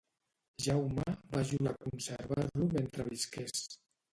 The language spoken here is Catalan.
Jaume va jurar conservar-lo mentre visqués.